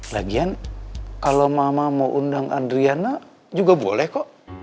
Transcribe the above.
lagian kalau mama mau undang adriana juga boleh kok